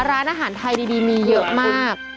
ร้านอาหารไทยดีมีเยอะมาก